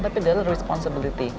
tapi adalah responsibility